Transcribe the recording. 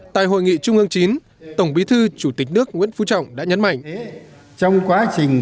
tại hội nghị trung ương chín tổng bí thư chủ tịch nước nguyễn phú trọng đã nhấn mạnh